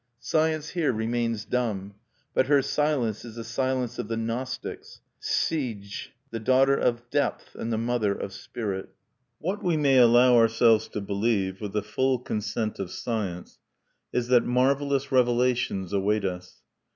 Science here remains dumb. But her silence is the Silence of the Gnostics, Sige, the Daughter of Depth and the Mother of Spirit. What we may allow ourselves to believe, with the full consent of Science, is that marvelous revelations await us.